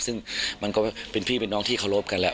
ซึ่งมันก็เป็นพี่เป็นน้องที่เคารพกันแหละ